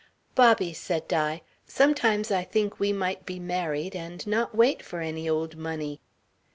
"Bobby," said Di, "sometimes I think we might be married, and not wait for any old money."